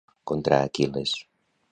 Què va fer Agènor contra Aquil·les?